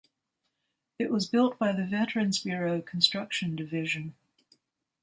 It was built by the Veterans Bureau Construction Div.